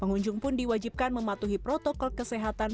pengunjung pun diwajibkan mematuhi protokol kesehatan